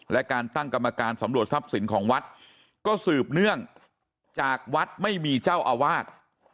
และการตั้งกรรมการสำรวจทรัพย์สินของวัดก็สืบเนื่องจากวัดไม่มีเจ้าอาวาส